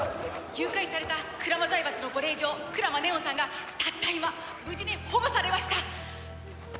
誘拐された鞍馬財閥のご令嬢鞍馬祢音さんがたった今無事に保護されました！